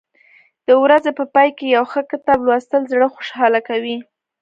د ورځې په پای کې یو ښه کتاب لوستل زړه خوشحاله کوي.